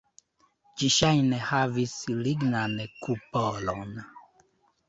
Ĝi ŝajne havis lignan kupolon.